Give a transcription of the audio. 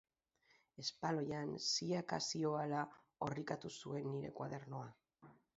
Espaloian ziaka zihoala orrikatu zuen nire koadernoa.